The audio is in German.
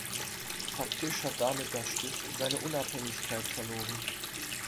Faktisch hat damit das Stift seine Unabhängigkeit verloren.